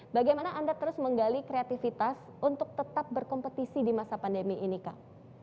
bagaimana anda terus menggali kreativitas untuk tetap berkompetisi di masa pandemi ini kang